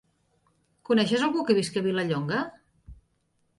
Coneixes algú que visqui a Vilallonga?